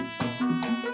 gak ada sih